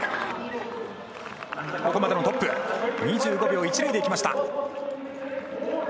ここまでのトップ、２５秒１０できました。